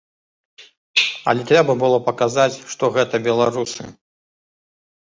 Але трэба было паказаць, што гэта беларусы.